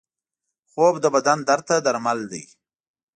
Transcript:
خوب د بدن درد ته درمل دی